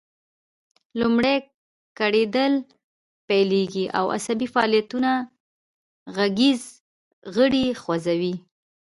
لومړی ګړیدل پیلیږي او عصبي فعالیتونه غږیز غړي خوځوي